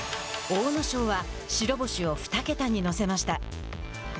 阿武咲は白星を２桁に乗せました。